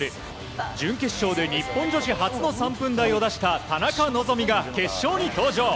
準決勝で日本女子初の３分台を出した田中希実が決勝に登場。